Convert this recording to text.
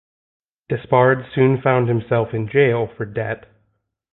Despard soon found himself in jail for debt.